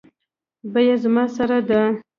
بیه زما سره ده